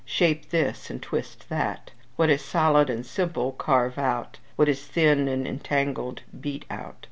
Shape this, and twist that. What is solid and simple, carve out; what is thin and entangled, beat out.